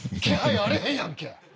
あれへんやんけ。